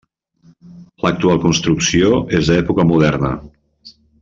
L'actual construcció és d'època moderna.